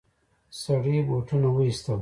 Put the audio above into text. سړي بوټونه وايستل.